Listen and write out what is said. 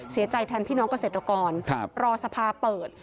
เสียใจแทนพี่น้องเกษตรกรรอสภาเปิด